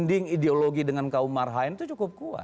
bonding ideologi dengan kaum marhaen itu cukup kuat